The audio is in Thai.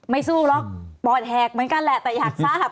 สู้หรอกปอดแหกเหมือนกันแหละแต่อยากทราบ